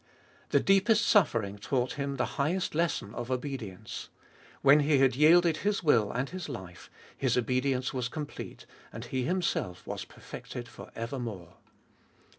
The deepest suffering taught Him the highest lesson of obedience : when He had yielded His will and His life, His obedience was complete, and He Himself was perfected for evermore.